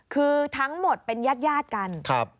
คือทั้งหมดเป็นญาติกัน